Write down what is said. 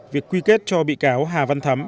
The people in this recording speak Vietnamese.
việc quy kết cho bị cáo hà văn thắm